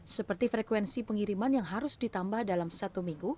seperti frekuensi pengiriman yang harus ditambah dalam satu minggu